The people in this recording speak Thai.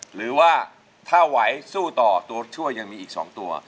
หรือว่าถ้าไหวสู้ต่อตัวช่วยยังมีอีก๒ตัว